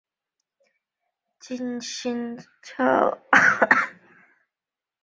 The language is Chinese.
金星鞘群海葵为鞘群海葵科鞘群海葵属的动物。